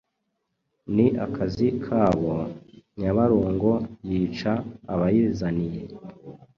Ni akazi kabo, Nyabarongo yica abayizaniye!